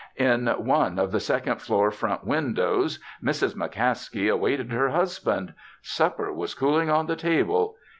"In one of the second floor front windows Mrs. McCaskey awaited her husband. Supper was cooling on the table.